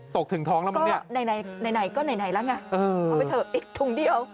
ตกถึงท้องแล้วมันเนี่ยะเออเอาไปเถอะอีกถุงเดียว